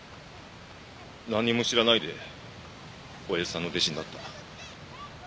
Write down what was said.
なんにも知らないでおやじさんの弟子になった。